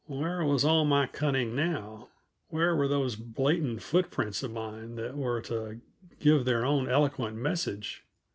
Where was all my cunning now? Where were those blatant footprints of mine that were to give their own eloquent message?